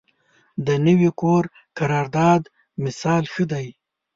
د نوي کور قرارداد مثال ښه دی.